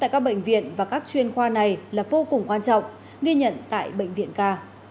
tại các bệnh viện và các chuyên khoa này là vô cùng quan trọng ghi nhận tại bệnh viện ca